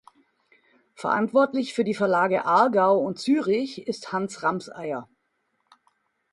Verantwortlich für die Verlage Aargau und Zürich ist Hans Ramseier.